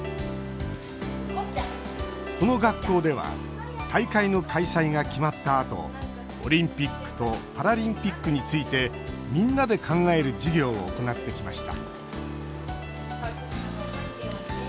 この学校では大会の開催が決まったあとオリンピックとパラリンピックについてみんなで考える授業を行ってきました